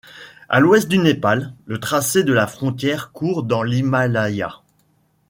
À l'ouest du Népal, le tracé de la frontière court dans l'Himalaya.